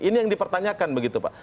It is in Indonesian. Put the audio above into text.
ini yang dipertanyakan begitu pak